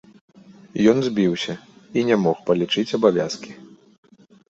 Ён збіўся і не мог палічыць абавязкі.